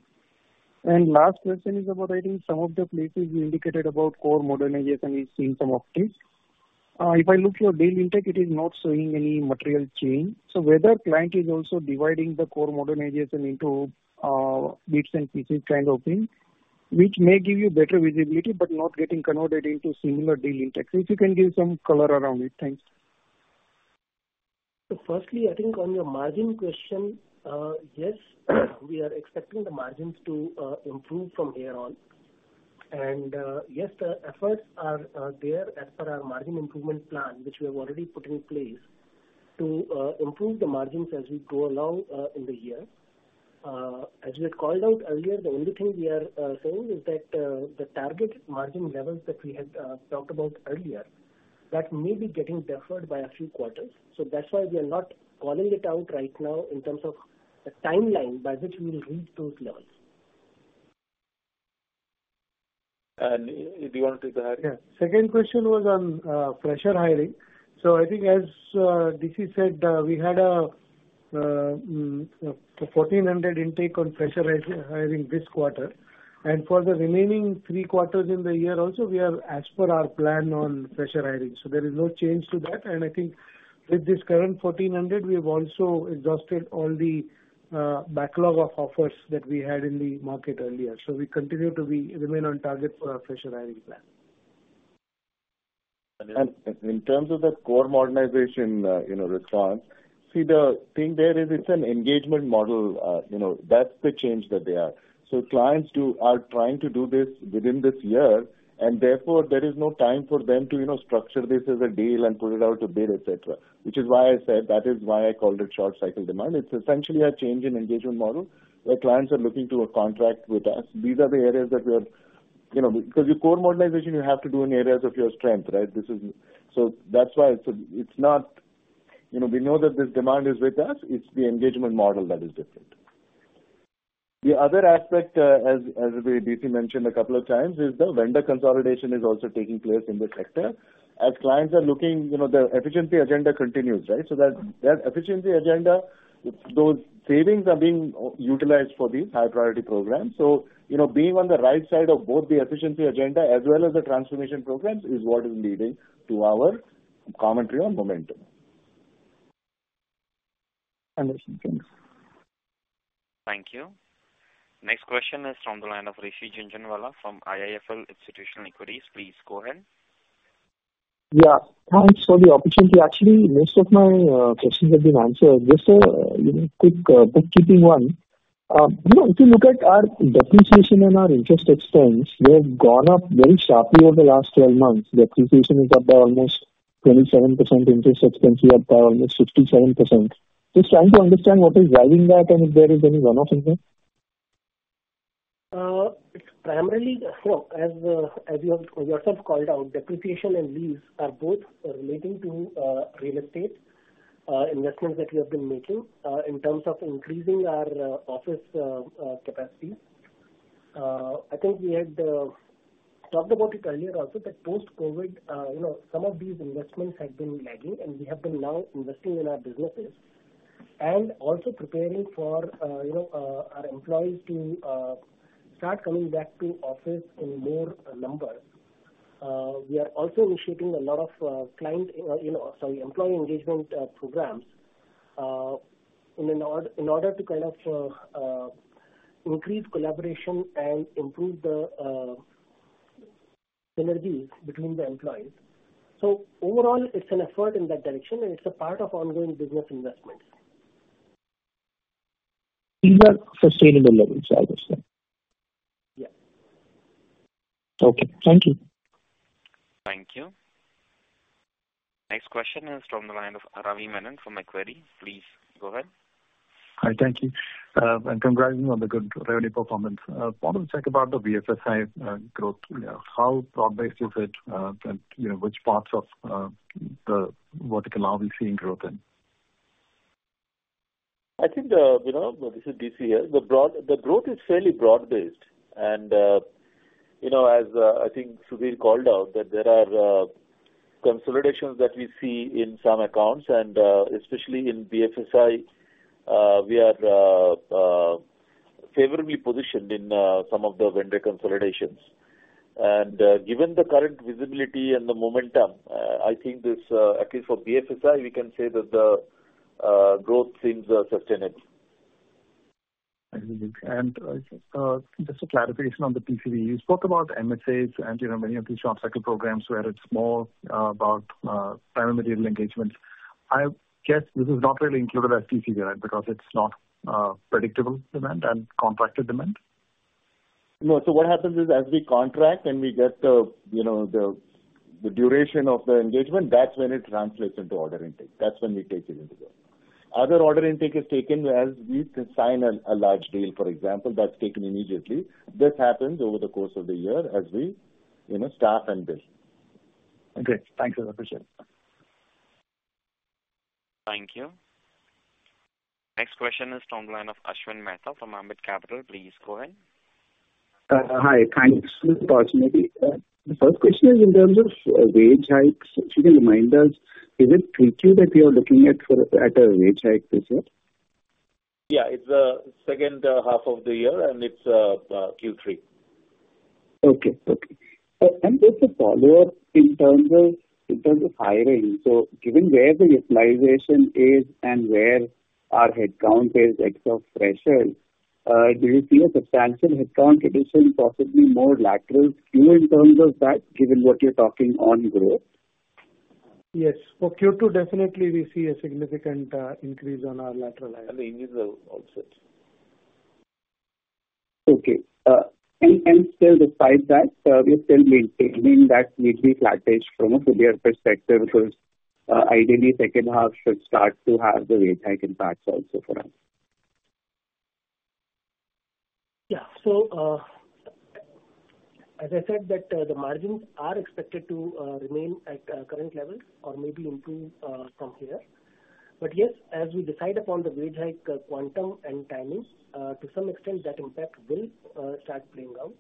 Last question is about, I think some of the places you indicated about core modernization, we've seen some uptake. If I look your deal intake, it is not showing any material change. So whether client is also dividing the core modernization into bits and pieces kind of thing, which may give you better visibility, but not getting converted into similar deal intake. If you can give some color around it. Thanks. Firstly, I think on your margin question, yes, we are expecting the margins to improve from here on. Yes, the efforts are there as per our margin improvement plan, which we have already put in place, to improve the margins as we go along, in the year. As we had called out earlier, the only thing we are saying is that the target margin levels that we had talked about earlier, that may be getting deferred by a few quarters. That's why we are not calling it out right now in terms of the timeline by which we will reach those levels. Do you want to take the hiring? Yeah. Second question was on fresher hiring. So I think as DC said, we had a 1400 intake on fresher hiring this quarter. And for the remaining three quarters in the year also, we are as per our plan on fresher hiring. So there is no change to that. And I think with this current 1400, we have also exhausted all the backlog of offers that we had in the market earlier. So we continue to remain on target for our fresher hiring plan. In terms of the core modernization, you know, response, see, the thing there is it's an engagement model. You know, that's the change that they are. So clients are trying to do this within this year, and therefore, there is no time for them to, you know, structure this as a deal and put it out to bid, et cetera. Which is why I said that is why I called it short cycle demand. It's essentially a change in engagement model, where clients are looking to a contract with us. These are the areas that we are. You know, because your core modernization, you have to do in areas of your strength, right? This is so that's why. So it's not. You know, we know that this demand is with us, it's the engagement model that is different. The other aspect, as DC mentioned a couple of times, is the vendor consolidation is also taking place in this sector. As clients are looking, you know, the efficiency agenda continues, right? So that efficiency agenda, those savings are being utilized for these high priority programs. So, you know, being on the right side of both the efficiency agenda as well as the transformation programs is what is leading to our commentary on momentum. Understood. Thanks. Thank you. Next question is from the line of Rishi Jhunjhunwala from IIFL Institutional Equities. Please go ahead. Yeah. Thanks for the opportunity. Actually, most of my questions have been answered. Just a, you know, quick bookkeeping one. You know, if you look at our depreciation and our interest expense, they have gone up very sharply over the last 12 months. Depreciation is up by almost 27%, interest expense is up by almost 67%. Just trying to understand what is driving that and if there is any one-off in here. It's primarily, look, as, as you have yourself called out, depreciation and lease are both relating to, real estate, investments that we have been making, in terms of increasing our, office, capacity. I think we had, talked about it earlier also, that post-COVID, you know, some of these investments had been lagging, and we have been now investing in our businesses and also preparing for, you know, our employees to, start coming back to office in more numbers. We are also initiating a lot of, client, you know, sorry, employee engagement, programs, in order, in order to kind of, increase collaboration and improve the,... synergies between the employees. So overall, it's an effort in that direction, and it's a part of ongoing business investments. These are sustainable levels, I would say? Yes. Okay. Thank you. Thank you. Next question is from the line of Ravi Menon from Macquarie. Please go ahead. Hi, thank you. And congratulations on the good revenue performance. Wanted to check about the BFSI growth. How broad-based is it? And, you know, which parts of the vertical are we seeing growth in? I think, you know, this is DC here. The growth is fairly broad-based. You know, as I think Sudhir called out, that there are consolidations that we see in some accounts, and especially in BFSI, we are favorably positioned in some of the vendor consolidations. Given the current visibility and the momentum, I think this, at least for BFSI, we can say that the growth seems sustained. I believe. Just a clarification on the TCV. You spoke about MSAs, and, you know, many of these short-cycle programs where it's more about time and material engagements. I guess this is not really included as TCV, right? Because it's not predictable demand and contracted demand. No. So what happens is, as we contract and we get the, you know, the duration of the engagement, that's when it translates into order intake. That's when we take it into the... Other order intake is taken as we can sign a large deal, for example. That's taken immediately. This happens over the course of the year as we, you know, staff and build. Okay, thanks a lot. Appreciate it. Thank you. Next question is from the line of Ashwin Mehta from Ambit Capital. Please go ahead. Hi. Thanks for the opportunity. The first question is in terms of wage hikes. Could you remind us, is it Q2 that we are looking at at a wage hike this year? Yeah, it's the second half of the year, and it's Q3. Okay. Okay. And just a follow-up in terms of, in terms of hiring. So given where the utilization is and where our headcount is extra pressure, do you see a substantial headcount addition, possibly more lateral, even in terms of that, given what you're talking on growth? Yes. For Q2, definitely we see a significant increase on our lateral hiring. The increase are also- Okay. And still despite that, we're still maintaining that nearly flat-ish from a revenue perspective, because ideally, second half should start to have the wage hike impacts also for us. Yeah. So, as I said, the margins are expected to remain at current levels or maybe improve from here. But yes, as we decide upon the wage hike quantum and timings, to some extent, that impact will start playing out.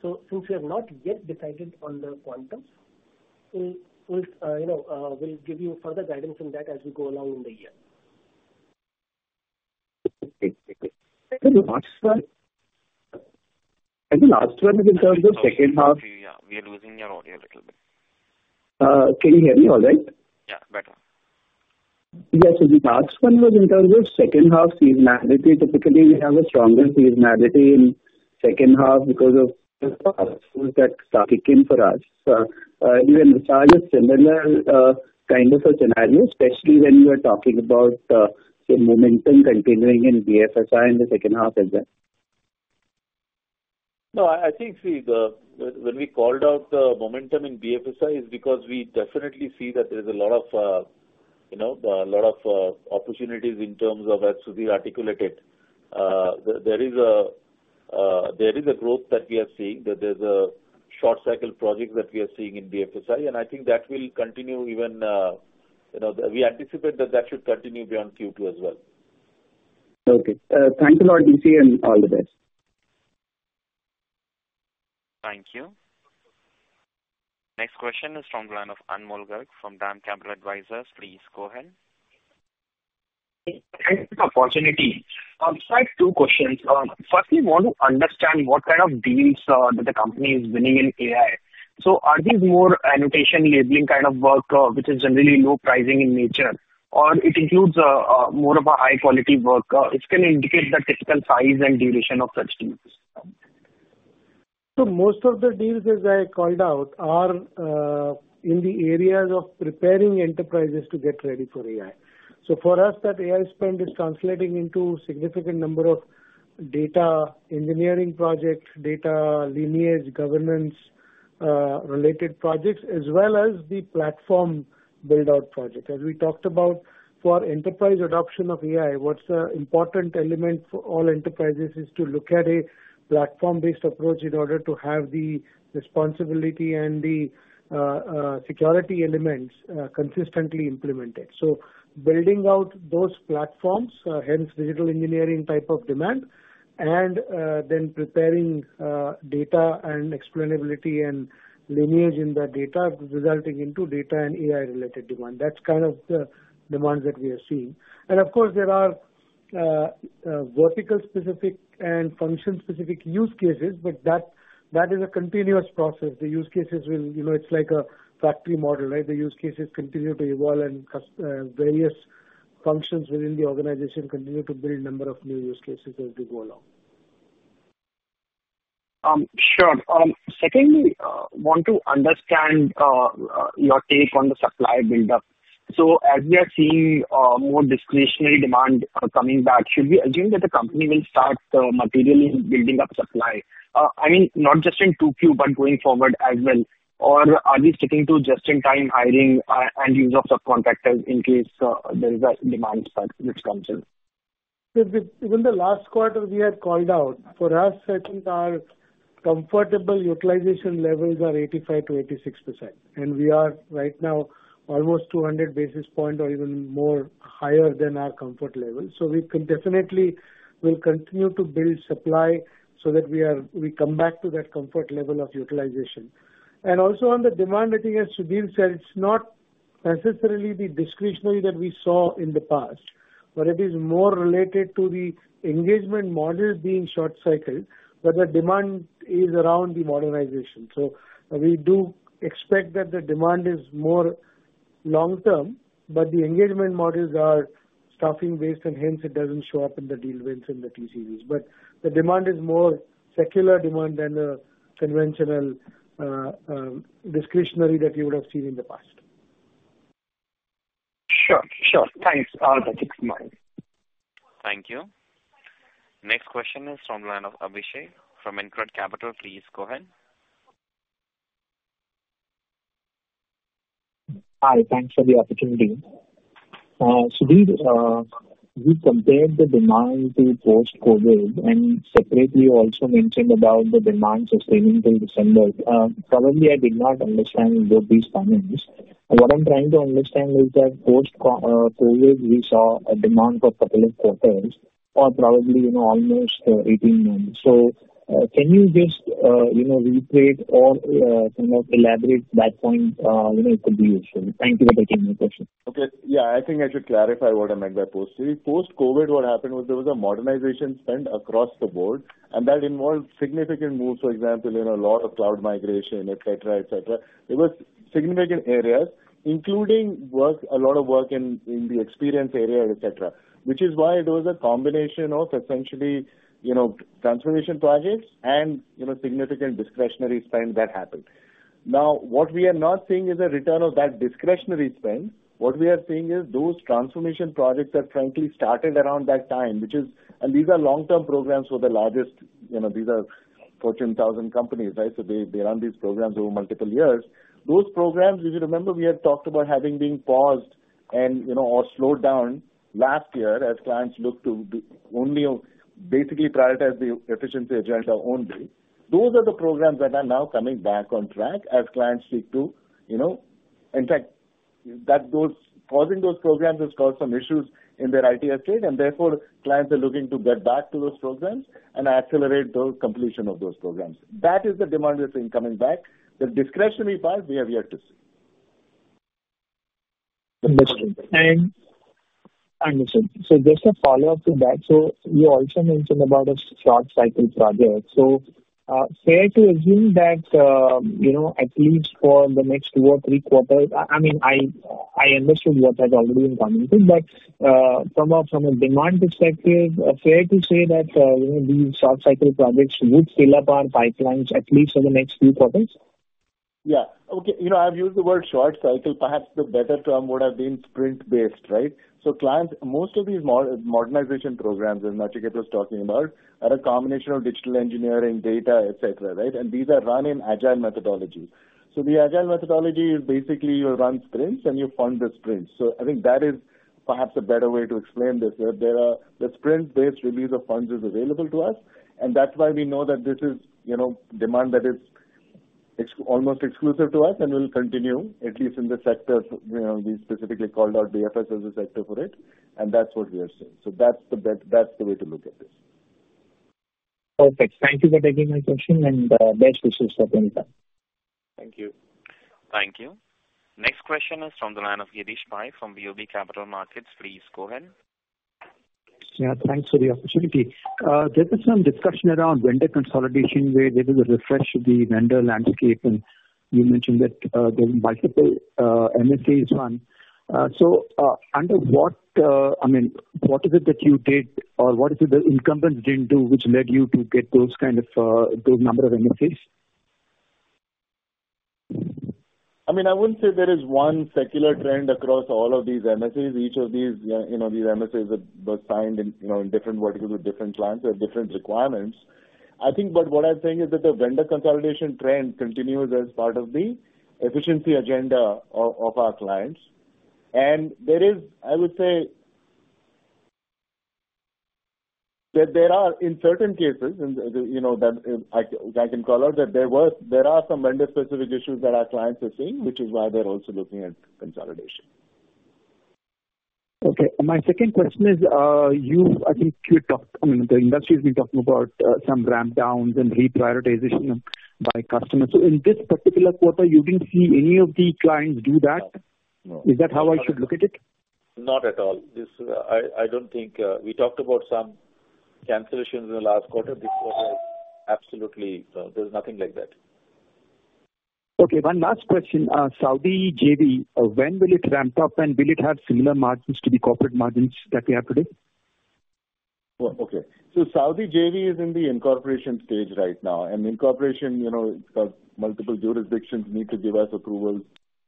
So since we have not yet decided on the quantum, we'll, you know, give you further guidance on that as we go along in the year. Okay. Great. So the last one... I think last one in terms of second half- Yeah. We are losing your audio a little bit. Can you hear me all right? Yeah, better. Yeah, so the last one was in terms of second half seasonality. Typically, we have a stronger seasonality in second half because of that kick in for us. So, do you envisage a similar, kind of a scenario, especially when you are talking about, the momentum continuing in BFSI in the second half as well? No, I think when we called out the momentum in BFSI, is because we definitely see that there is a lot of, you know, a lot of opportunities in terms of as Sudhir articulated. There is a growth that we are seeing, that there's a short cycle project that we are seeing in BFSI, and I think that will continue even, you know, we anticipate that that should continue beyond Q2 as well. Okay. Thank you a lot, DC, and all the best. Thank you. Next question is from the line of Anmol Garg from DAM Capital Advisors. Please go ahead. Thanks for the opportunity. So I have two questions. Firstly, I want to understand what kind of deals that the company is winning in AI. So are these more annotation, labeling kind of work, which is generally low pricing in nature, or it includes more of a high-quality work, which can indicate the typical size and duration of such deals? So most of the deals, as I called out, are in the areas of preparing enterprises to get ready for AI. So for us, that AI spend is translating into significant number of data engineering projects, data lineage, governance related projects, as well as the platform build-out project. As we talked about, for enterprise adoption of AI, what's the important element for all enterprises is to look at a platform-based approach in order to have the responsibility and the security elements consistently implemented. So building out those platforms, hence digital engineering type of demand, and then preparing data and explainability and lineage in that data, resulting into data and AI-related demand. That's kind of the demands that we are seeing. And of course, there are vertical-specific and function-specific use cases, but that is a continuous process. The use cases will... You know, it's like a factory model, right? The use cases continue to evolve and various functions within the organization continue to build number of new use cases as we go along. Sure. Secondly, want to understand your take on the supply buildup. So as we are seeing more discretionary demand coming back, should we assume that the company will start materially building up supply? I mean, not just in 2Q, but going forward as well. Or are we sticking to just-in-time hiring and use of subcontractors in case there is a demand spike which comes in? Yes, in the last quarter, we had called out. For us, I think our comfortable utilization levels are 85%-86%, and we are right now almost 200 basis point or even more higher than our comfort level. So we can definitely will continue to build supply so that we are we come back to that comfort level of utilization. And also on the demand, I think as Sudhir said, it's not necessarily the discretionary that we saw in the past, but it is more related to the engagement models being short cycled, but the demand is around the modernization. So we do expect that the demand is more long term, but the engagement models are staffing based, and hence, it doesn't show up in the deal wins in the TCVs. But the demand is more secular demand than the conventional, discretionary that you would have seen in the past. Sure. Sure. Thanks. That's mine. Thank you. Next question is from the line of Abhishek from InCred Capital. Please go ahead. Hi, thanks for the opportunity. Sudhir, you compared the demand to post-COVID, and separately you also mentioned about the demand sustaining till December. Probably I did not understand both these comments. What I'm trying to understand is that post-COVID, we saw a demand for couple of quarters or probably, you know, almost 18 months. So, can you just, you know, repeat or, you know, elaborate that point, you know, if it be useful. Thank you for taking my question. Okay. Yeah, I think I should clarify what I meant by post-COVID. Post-COVID, what happened was there was a modernization spend across the board, and that involved significant moves. For example, you know, a lot of cloud migration, et cetera, et cetera. There were significant areas, including work, a lot of work in the experience area, et cetera. Which is why there was a combination of essentially, you know, transformation projects and, you know, significant discretionary spend that happened. Now, what we are not seeing is a return of that discretionary spend. What we are seeing is those transformation projects that frankly started around that time, which is... And these are long-term programs for the largest, you know, these are Fortune 1000 companies, right? So they, they run these programs over multiple years. Those programs, if you remember, we had talked about having being paused and, you know, or slowed down last year as clients looked to do only or basically prioritize the efficiency agenda only. Those are the programs that are now coming back on track as clients seek to, you know... In fact, that those, pausing those programs has caused some issues in their IT estate, and therefore clients are looking to get back to those programs and accelerate those completion of those programs. That is the demand we're seeing coming back. The discretionary part, we have yet to see. Understood. Understand. So just a follow-up to that. So, fair to assume that, you know, at least for the next two or three quarters, I mean, I understood what has already been commented, but, from a demand perspective, fair to say that, you know, these short cycle projects will scale up our pipelines at least for the next few quarters? Yeah. Okay, you know, I've used the word short cycle. Perhaps the better term would have been sprint-based, right? So clients, most of these modernization programs, that Nachiket was talking about, are a combination of digital engineering, data, et cetera, right? And these are run in agile methodology. So the agile methodology is basically you run sprints and you fund the sprints. So I think that is perhaps a better way to explain this. There are the sprint-based release of funds is available to us, and that's why we know that this is, you know, demand that is almost exclusive to us and will continue, at least in the sectors, you know, we specifically called out the FS as a sector for it, and that's what we are seeing. So that's the best, that's the way to look at this. Perfect. Thank you for taking my question, and best wishes for future. Thank you. Thank you. Next question is from the line of Girish Pai from BOB Capital Markets. Please go ahead. Yeah, thanks for the opportunity. There was some discussion around vendor consolidation, where there is a refresh of the vendor landscape, and you mentioned that there are multiple MSAs run. So, under what, I mean, what is it that you did or what is it the incumbent didn't do, which led you to get those kind of those number of MSAs? I mean, I wouldn't say there is one secular trend across all of these MSAs. Each of these, you know, MSAs were signed, you know, in different verticals with different clients or different requirements. I think, but what I'm saying is that the vendor consolidation trend continues as part of the efficiency agenda of our clients. And there is, I would say, in certain cases, you know, that I can call out, there are some vendor-specific issues that our clients are seeing, which is why they're also looking at consolidation. Okay. My second question is, I think you talked, I mean, the industry has been talking about some ramp downs and reprioritization by customers. So in this particular quarter, you didn't see any of the clients do that? No. Is that how I should look at it? Not at all. This, I don't think... We talked about some cancellations in the last quarter. This quarter, absolutely, there's nothing like that. Okay, one last question. Saudi JV, when will it ramp up, and will it have similar margins to the corporate margins that we have today? Well, okay. So Saudi JV is in the incorporation stage right now, and incorporation, you know, it has multiple jurisdictions need to give us approvals,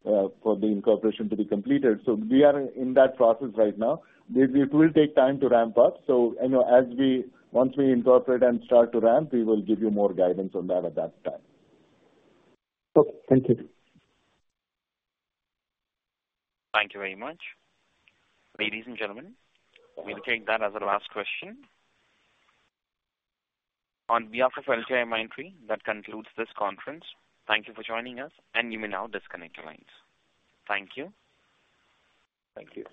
for the incorporation to be completed. So we are in that process right now. It will take time to ramp up, so, you know, as we once we incorporate and start to ramp, we will give you more guidance on that at that time. Okay. Thank you. Thank you very much. Ladies and gentlemen, we'll take that as our last question. On behalf of LTIMindtree, that concludes this conference. Thank you for joining us, and you may now disconnect your lines. Thank you. Thank you.